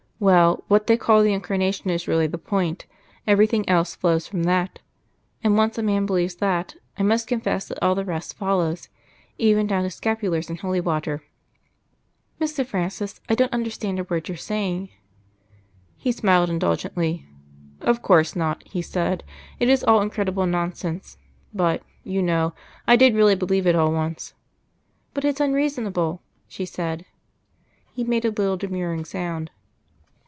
Well, what they call the Incarnation is really the point. Everything else flows from that. And, once a man believes that, I must confess that all the rest follows even down to scapulars and holy water." "Mr. Francis, I don't understand a word you're saying." He smiled indulgently. "Of course not," he said; "it is all incredible nonsense. But, you know, I did really believe it all once." "But it's unreasonable," she said. He made a little demurring sound.